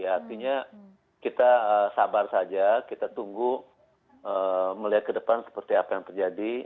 artinya kita sabar saja kita tunggu melihat ke depan seperti apa yang terjadi